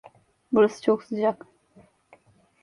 Burası çok sıcak.